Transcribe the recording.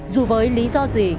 dù với lý do gì